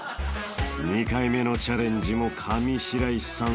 ［２回目のチャレンジも上白石さん